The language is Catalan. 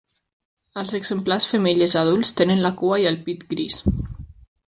Els exemplars femelles adults tenen la cua i el pit gris.